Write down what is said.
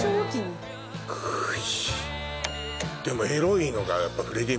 でも。